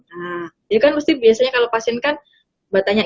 jadi kan biasanya kalau pasien kan bertanya